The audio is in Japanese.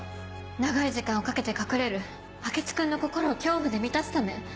長い時間をかけて隠れる明智君の心を恐怖で満たすため。